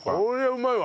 うまいわ。